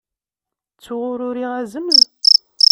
Ttuɣ ur uriɣ azemz?